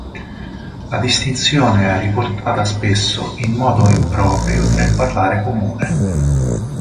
La distinzione è riportata spesso in modo improprio nel parlare comune.